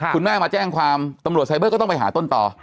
คุณแม่มาแจ้งความตำรวจไซเบอร์ก็ต้องไปหาต้นต่อ